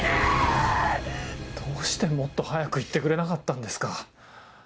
どうしてもっと早く言ってくれなかったんですか。